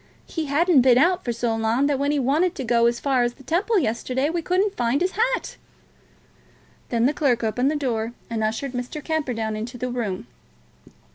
He hadn't been out for so long that when he wanted to go as far as the Temple yesterday, we couldn't find his hat." Then the clerk opened the door, and ushered Mr. Camperdown into the room.